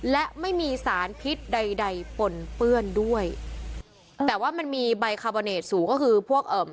และไม่มีสารพิษใดใดปนเปื้อนด้วยแต่ว่ามันมีใบคาร์บอเนตสูงก็คือพวกเอ่อ